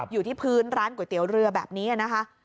อยู่ที่พื้นร้านก๋วยเตี๋ยวเรือแบบนี้นะคะ